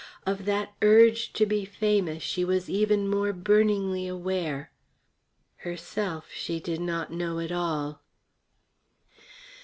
Of that Urge to be famous she was even more burningly aware; herself she did not know at all.